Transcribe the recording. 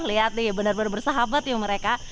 lihat nih benar benar bersahabat ya mereka